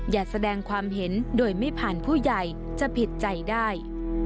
อย่าแสดงความเห็นโดยไม่ผ่านผู้ใหญ่จะผิดใจได้